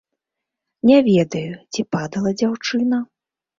Не ведаю, ці падала дзяўчына.